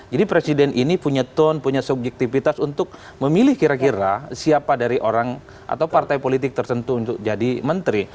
jadi presiden ini punya tone punya subjektivitas untuk memilih kira kira siapa dari orang atau partai politik tertentu untuk jadi menteri